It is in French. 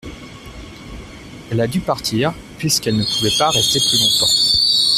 Elle a dû partir puisqu’elle ne pouvait pas rester plus longtemps.